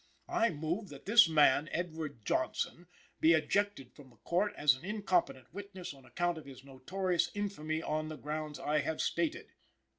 I move that this man, Edward Johnson, be ejected from the Court as an incompetent witness on account of his notorious infamy on the grounds I have stated."